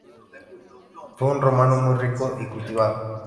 Fue un romano muy rico y cultivado.